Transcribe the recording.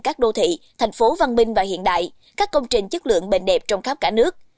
các đô thị thành phố văn minh và hiện đại các công trình chất lượng bền đẹp trong khắp cả nước